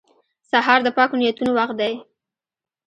سهار د پاکو نیتونو وخت دی.